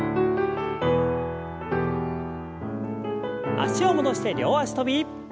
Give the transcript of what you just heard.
脚を戻して両脚跳び。